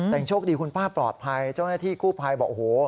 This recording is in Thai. แต่ยังโชคดีคุณป้าปลอดภัยเจ้าหน้าที่กู้ภัยบอกโอ้โห